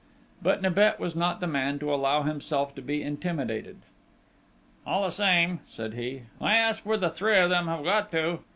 But Nibet was not the man to allow himself to be intimidated. "All the same," said he, "I ask where the three of them have got to?...